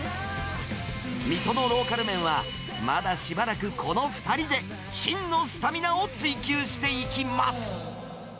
水戸のローカル麺は、まだしばらくこの２人で、真のスタミナを追求していきます。